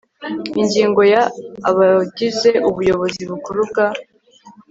Ingingo ya Abagize Ubuyobozi Bukuru bwa